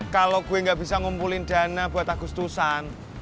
kalau gue gak bisa ngumpulin dana buat agus tusan